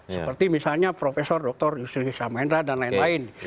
seperti misalnya prof dr yusri hishamendra dan lain lain